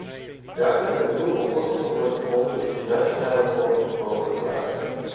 Daardoor kunnen nieuwe oplossingen worden gevonden die in nationale vorm niet mogelijk waren.